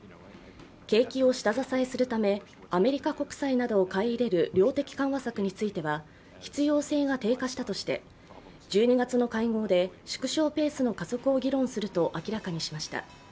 景気を下支えするためアメリカ国債などを買い入れる量的緩和策については必要性が低下したなどとして１２月の会合で縮小ペースの加速を議論すると明らかにしました。